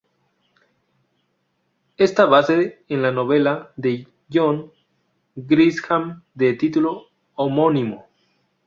Está basada en la "novela" de John Grisham de título homónimo.